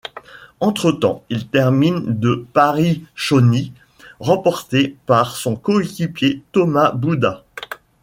Entretemps, il termine de Paris-Chauny, remportée par son coéquipier Thomas Boudat.